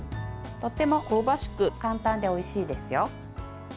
とっても香ばしく簡単でおいしいですよ。